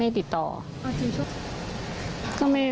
อเรนนี่เอาจริงใช่ไหม